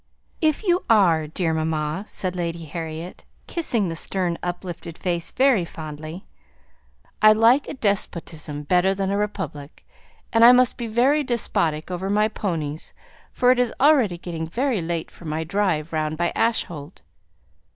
"If you are, dear mamma," said Lady Harriet, kissing the stern uplifted face very fondly, "I like a despotism better than a republic, and I must be very despotic over my ponies, for it's already getting very late for my drive round by Ash holt."